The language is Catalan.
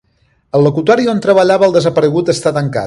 El locutori on treballava el desaparegut està tancat.